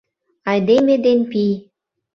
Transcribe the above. Айдеме ден пий